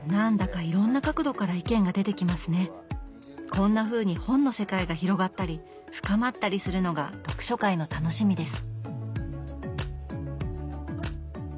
こんなふうに本の世界が広がったり深まったりするのが読書会の楽しみです。